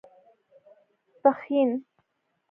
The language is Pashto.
پښين